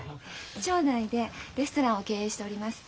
町内でレストランを経営しております。